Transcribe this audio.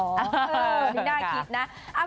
ไม่น่าคิดนะ